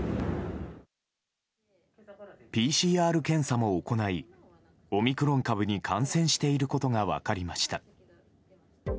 ＰＣＲ検査も行いオミクロン株に感染していることが分かりました。